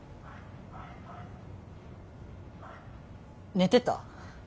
・寝てた？